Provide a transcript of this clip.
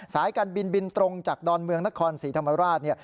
สายการบินบินตรงจากดอนเมืองนครศรีธรรมราช